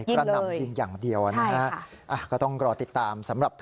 กระหน่ำยิงอย่างเดียวนะฮะก็ต้องรอติดตามสำหรับ